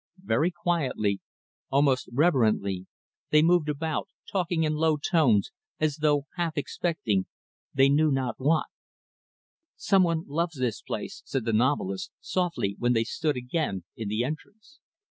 Very quietly, almost reverently, they moved about; talking in low tones, as though half expecting they knew not what. "Some one loves this place," said the novelist, softly, when they stood, again, in the entrance.